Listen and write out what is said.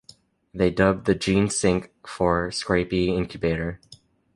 They dubbed the gene sinc for scrapie incubator.